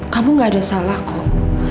kamu gak ada salah kok